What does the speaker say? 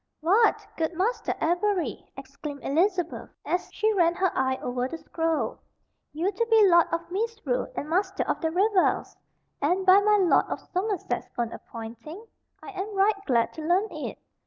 "What, good Master Avery," exclaimed Elizabeth, as she ran her eye over the scroll, "you to be Lord of Misrule and Master of the Revels! And by my Lord of Somerset's own appointing? I am right glad to learn it."